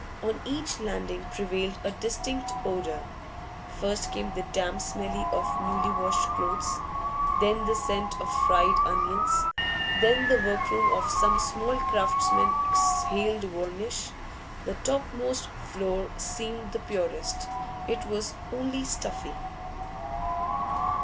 On each landing prevailed a distinct odour; first came the damp smell of newly washed clothes, then the scent of fried onions, then the workroom of some small craftsman exhaled varnish. The topmost floor seemed the purest; it was only stuffy.